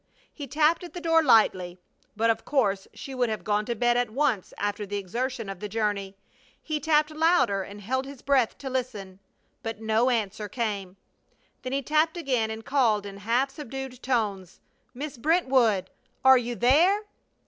He tapped at the door lightly. But of course she would have gone to bed at once after the exertion of the journey! He tapped louder, and held his breath to listen. But no answer came! Then he tapped again, and called, in half subdued tones: "Miss Brentwood! Are you there?"